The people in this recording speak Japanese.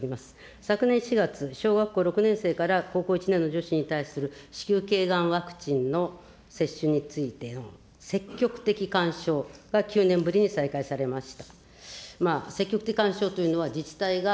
昨年４月、小学校６年生から高校１年の女子に対する子宮けいがんワクチンの接種についての積極的勧奨が９年ぶりに再開されました。